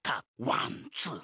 ワンツー。